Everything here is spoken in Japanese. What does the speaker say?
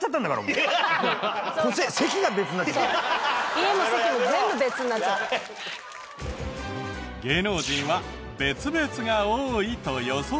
芸能人は別々が多いと予想しましたが。